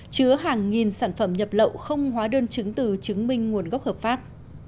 chứa hàng nghìn sản phẩm nhập lậu không hóa đơn chứng từ chứng minh nguồn gốc hợp pháp